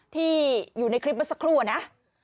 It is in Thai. ที่อยู่ในคลิปเมื่อสักครู่อะนะ